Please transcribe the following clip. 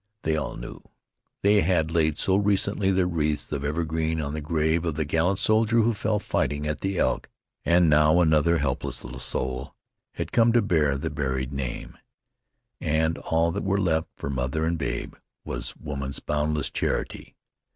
They all knew. They had laid so recently their wreaths of evergreen on the grave of the gallant soldier who fell, fighting at the Elk, and now another helpless little soul had come to bear the buried name, and all that were left for mother and babe was woman's boundless charity.